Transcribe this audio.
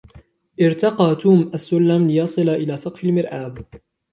ارتقى توم السلم ليصل إلى سقف المرآب.